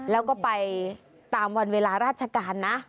แล้วก็ไปตามวันเวลาราชการนะ